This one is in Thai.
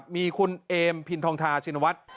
มีคุณเอมพินธองทารชินวช